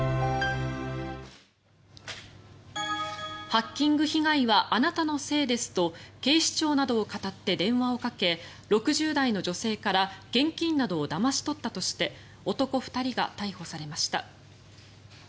ハッキング被害はあなたのせいですと警視庁などをかたって電話をかけ６０代の女性から現金などをだまし取ったとして男２人が逮捕されました。